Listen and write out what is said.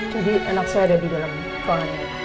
jadi enak saya ada di dalam kamarnya